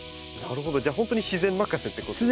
じゃあ本当に自然任せってことですね。